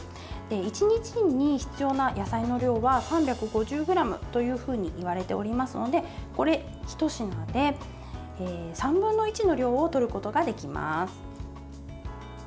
１日に必要な野菜の量は３５０ｇというふうにいわれておりますのでこれひと品で３分の１の量をとることができます。